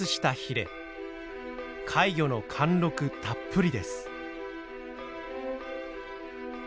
怪魚の貫禄たっぷりです。